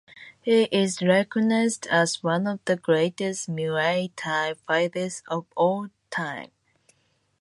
He is recognized as one of the greatest Muay Thai fighters of all time.